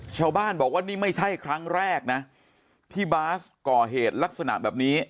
ชาวบ้านบอกว่านี่ไม่ใช่ครั้งแรกนะที่บาสก่อเหตุลักษณะแบบนี้